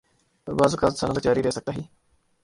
اوربعض اوقات سالوں تک جاری رہ سکتا ہی۔